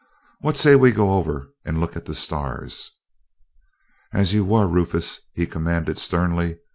What say we go over and look at the stars?" "As you were, Rufus!" he commanded sternly.